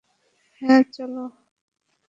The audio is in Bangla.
হ্যাঁ, চল।